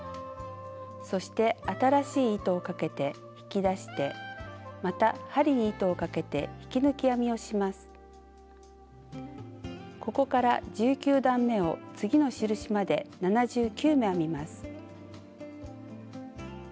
そして新しい糸をかけて引き出してまた針に糸をかけてここから１９段めを次の印まで７９目編みます。